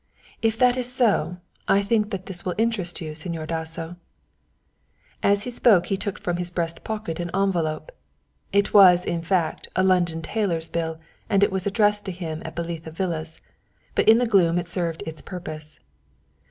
If that is so, I think that this will interest you, Señor Dasso." As he spoke he took from his breast pocket an envelope; it was, in fact, a London tailor's bill and was addressed to him at Belitha Villas, but in the gloom it served its purpose.